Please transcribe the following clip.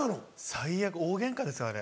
最悪大ゲンカですよあれ。